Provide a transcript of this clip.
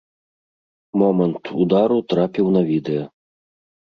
Момант удару трапіў на відэа.